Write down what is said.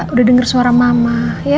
udah denger suara mama